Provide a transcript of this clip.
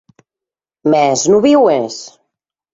Mès non viues?